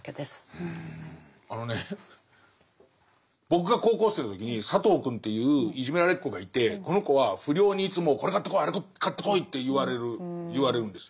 僕が高校生の時に佐藤くんといういじめられっ子がいてこの子は不良にいつもこれ買ってこいあれ買ってこいって言われるんです。